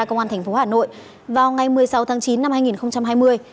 công an thành phố hà nội vào ngày một mươi sáu tháng chín năm hai nghìn hai mươi